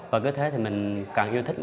và cứ thế thì mình càng yêu thích